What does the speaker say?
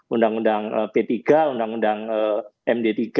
undang undang p tiga undang undang md tiga